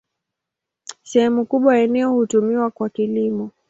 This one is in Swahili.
Sehemu kubwa ya eneo hutumiwa kwa kilimo.